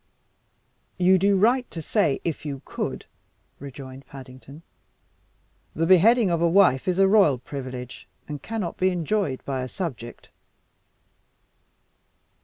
"You do right to say 'if you could,'" rejoined Paddington. "The beheading of a wife is a royal privilege, and cannot be enjoyed by a subject."